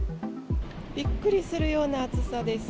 びっくりするような暑さです。